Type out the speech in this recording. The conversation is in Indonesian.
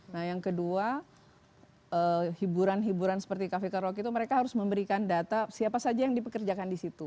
nah yang kedua hiburan hiburan seperti kafe karaoke itu mereka harus memberikan data siapa saja yang dipekerjakan di situ